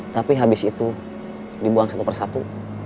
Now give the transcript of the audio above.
tapi habis itu dibuang satu persatu